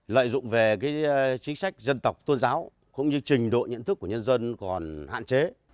lợi dụng về chính sách dân tộc tôn giáo cũng như trình độ nhận thức của nhân dân còn hạn chế